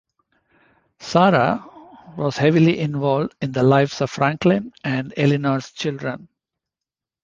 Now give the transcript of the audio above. Sara was heavily involved in the lives of Franklin and Eleanor's children.